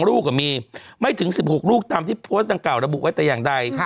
ลูกมีไม่ถึง๑๖ลูกตามที่โพสต์ดังกล่าระบุไว้แต่อย่างใด